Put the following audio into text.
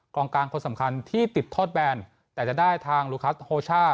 กลางกลางคนสำคัญที่ติดโทษแบนแต่จะได้ทางลูคัสโฮช่า